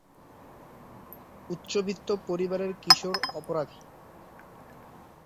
উচ্চবিত্ত পরিবারের কিশোর অপরাধী।